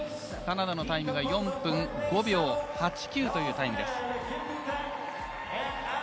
カナダのタイムが４分５秒８９というタイムです。